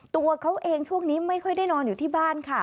ตัวเขาเองช่วงนี้ไม่ค่อยได้นอนอยู่ที่บ้านค่ะ